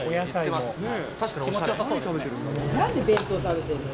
なんで弁当食べてるの？